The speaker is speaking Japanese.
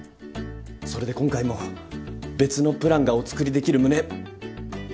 それで今回も別のプランがお作りできる旨。